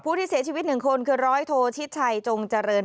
ที่เสียชีวิต๑คนคือร้อยโทชิดชัยจงเจริญ